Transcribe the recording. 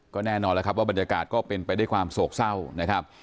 ก็แน่นอนแล้วครับว่าบรรยากาศก็เป็นไปด้วยความโศกเศร้านะครับ